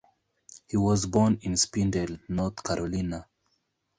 He was born in Spindale, North Carolina.